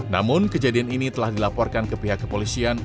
namun kejadian ini telah dilaporkan ke pihak kepolisian